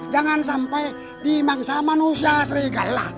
jangan sampai dimangsa manusia serigala